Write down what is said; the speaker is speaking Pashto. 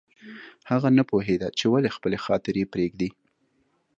هغه نه پوهېده چې ولې خپلې خاطرې پرېږدي